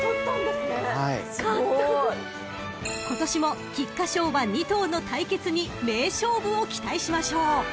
すごい！［今年も菊花賞馬２頭の対決に名勝負を期待しましょう！］